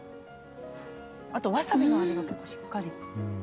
あとワサビの味が結構しっかり。